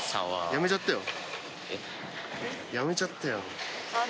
辞めちゃったよ。